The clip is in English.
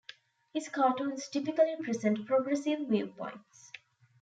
His cartoons typically present progressive viewpoints.